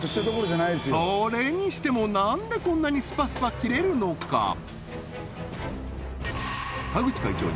それにしても何でこんなにスパスパ切れるのか？